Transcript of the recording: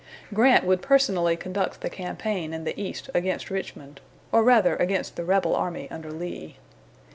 Grant would personally conduct the campaign in the East against Richmond, or rather against the rebel army under Lee.